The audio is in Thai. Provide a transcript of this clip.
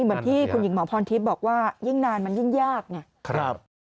เหมือนที่คุณหญิงหมอพรทิพย์บอกว่ายิ่งนานมันยิ่งยากไง